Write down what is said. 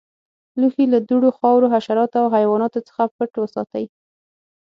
لوښي له دوړو، خاورو، حشراتو او حیواناتو څخه پټ وساتئ.